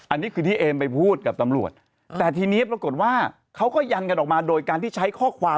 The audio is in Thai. อันนี้คือที่เอมไปพูดกับตำรวจแต่ทีนี้ปรากฏว่าเขาก็ยันกันออกมาโดยการที่ใช้ข้อความ